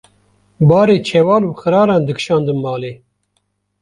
barê çewal û xiraran dikşandin malê.